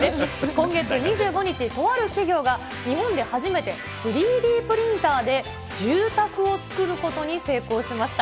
今月２５日、とある企業が日本で初めて、３Ｄプリンターで住宅を造ることに成功しました。